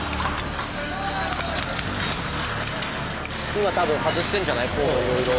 今多分外してんじゃないいろいろ。